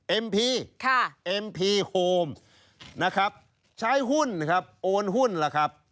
เอ็มพีโฮมนะครับใช้หุ้นนะครับโอนหุ้นล่ะครับ